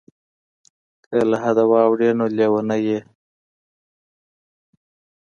که له حده واوړې نو لیونی یې.